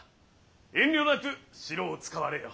遠慮なく城を使われよ。